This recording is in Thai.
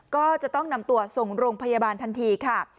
ก็จะต้องนำตัวส่งโรงพยาบาลทันทีค่ะ